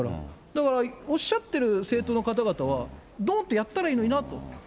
だからおっしゃっている政党の方々は、どんどやったらいいのになと。